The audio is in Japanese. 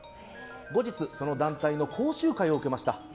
後日その団体の講習会を受けました。